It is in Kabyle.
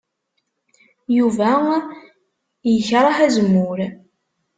Yuba yekṛeh azemmur.